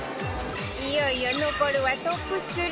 いよいよ残るはトップ３